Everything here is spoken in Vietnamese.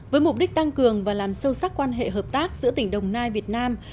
với mục đích tăng cường và làm sâu sắc quan hệ hợp tác giữa tỉnh đồng nai việt nam